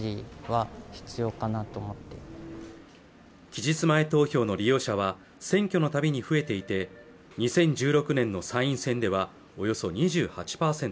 期日前投票の利用者は選挙のたびに増えていて２０１６年の参院選ではおよそ２８％